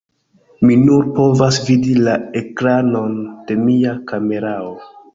Mi nur povas vidi la ekranon de mia kamerao